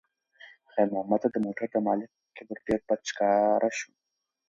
خیر محمد ته د موټر د مالک کبر ډېر بد ښکاره شو.